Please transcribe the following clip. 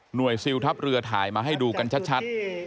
ซิลทัพเรือถ่ายมาให้ดูกันชัด